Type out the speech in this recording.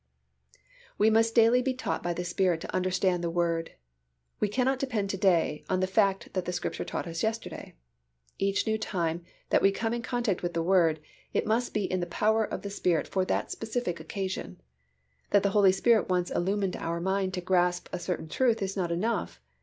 We must daily be taught by the Spirit to understand the Word. We cannot depend to day on the fact that the Spirit taught us yesterday. Each new time that we come in contact with the Word, it must be in the power of the Spirit for that specific occasion. That the Holy Spirit once illumined our mind to grasp a certain truth is not enough.